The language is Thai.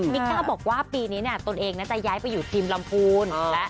ก้าบอกว่าปีนี้ตนเองจะย้ายไปอยู่ทีมลำพูน